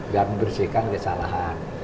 biar membersihkan kesalahan